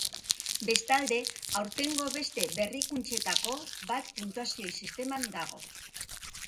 Bestalde, aurtengo beste berrikuntzetako bat puntuazio sisteman dago.